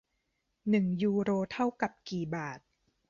หนึ่งยูโรเท่ากับกี่บาท